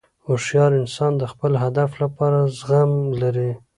هوښیار انسان د خپل هدف لپاره زغم لري.